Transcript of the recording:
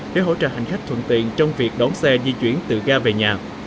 để hỗ trợ hành khách thuận tiện trong việc đón xe di chuyển từ ga về nhà